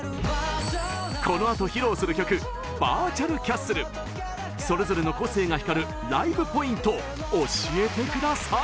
このあと披露する曲それぞれの個性が光るライブポイント教えてください。